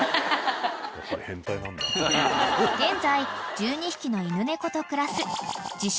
［現在１２匹の犬猫と暮らす］